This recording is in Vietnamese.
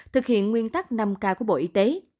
thực hiện nguyên tắc năm k của bộ y tế